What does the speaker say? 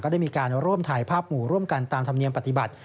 ได้มีการร่วมถ่ายภาพหมู่ร่วมกันตามธรรมเนียมปฏิบัติ